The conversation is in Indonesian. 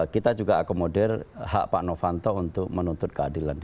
kita juga akomodir hak pak novanto untuk menuntut keadilan